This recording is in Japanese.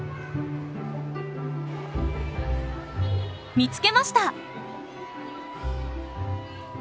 見つけました！